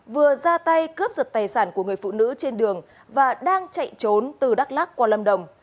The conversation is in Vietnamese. vừa ra tay cướp giật tài sản của người phụ nữ trên đường và đang chạy trốn từ đắk lắc qua lâm đồng